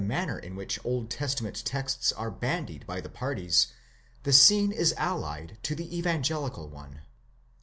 manner in which Old Testament texts are bandied by the parties, the scene is allied to the evangelical one.